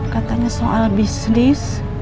katanya soal bisnis